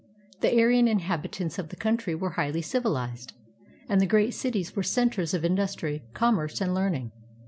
The Aryan inhabitants of the country were highly civilized, and the great cities were centers of industry, commerce, and learning.